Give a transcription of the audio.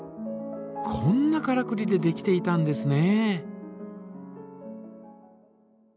こんなからくりでできていたんですね。